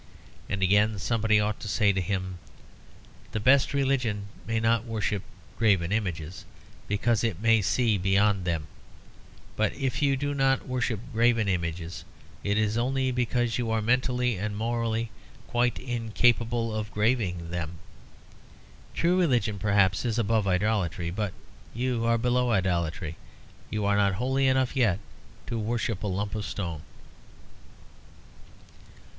And again somebody ought to say to him, "The best religion may not worship graven images, because it may see beyond them. But if you do not worship graven images, it is only because you are mentally and morally quite incapable of graving them. True religion, perhaps, is above idolatry. But you are below idolatry. You are not holy enough yet to worship a lump of stone."